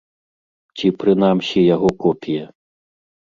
Ці прынамсі яго копія.